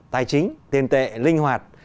tài chính tiền tệ linh hoạt